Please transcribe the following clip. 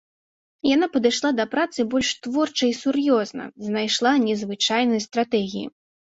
Яна падышла да працы больш творча і сур'ёзна, знайшла незвычайныя стратэгіі.